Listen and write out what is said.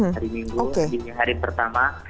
hari minggu hari pertama